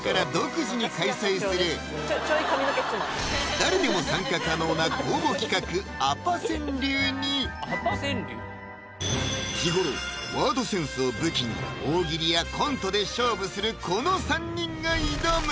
誰でも参加可能な公募企画アパ川柳に日頃ワードセンスを武器に大喜利やコントで勝負するこの３人が挑む！